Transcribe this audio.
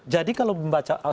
jadi kalau membaca